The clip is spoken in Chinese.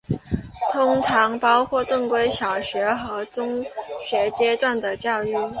通常包括正规的小学和中学阶段的教育。